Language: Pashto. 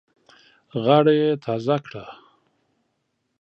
غاړه یې تازه کړه.